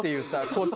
こっち